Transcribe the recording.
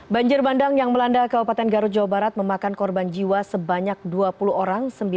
banjir bandang yang melanda kabupaten garut jawa barat memakan korban jiwa sebanyak dua puluh orang